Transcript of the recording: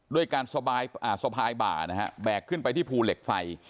ด้วยการสะพายบ่านะฮะแบกขึ้นไปที่ภูเหล็กไฟ